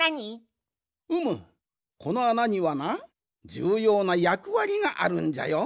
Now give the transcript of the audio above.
うむこのあなにはなじゅうようなやくわりがあるんじゃよ。